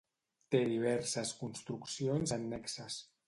Té diverses construccions annexes.